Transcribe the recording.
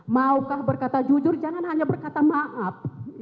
maukah berkata jujur jangan hanya berkata maaf